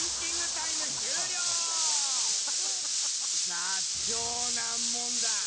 さあ超難問だ！